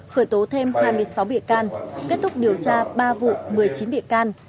khởi tố thêm hai mươi sáu bị can kết thúc điều tra ba vụ một mươi chín bị can